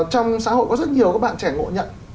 trong xã hội có rất nhiều các bạn trẻ ngộ nhận